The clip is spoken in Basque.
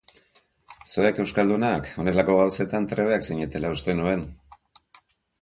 Zuek, euskaldunak, honelako gauzetan trebeak zinetela uste nuen.